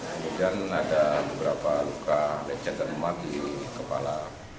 kemudian ada beberapa luka lecet dan lemak di kepala